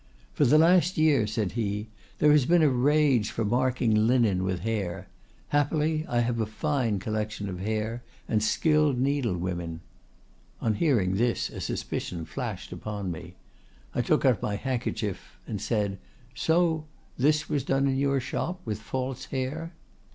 'For the last year,' said he, 'there has been a rage for marking linen with hair; happily I had a fine collection of hair and skilled needlewomen,'—on hearing this a suspicion flashed upon me; I took out my handkerchief and said, 'So this was done in your shop, with false hair?